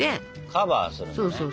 カバーするんだね。